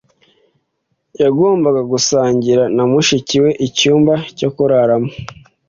Yagombaga gusangira na mushiki we icyumba cyo kuraramo.